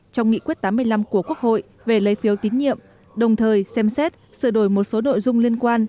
trong nghị quyết tám mươi năm của quốc hội về lấy phiếu tín nhiệm đồng thời xem xét sửa đổi một số nội dung liên quan